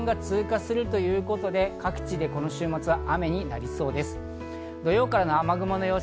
一つの原因、前線が通過するということで各地、この週末、雨になりそうです。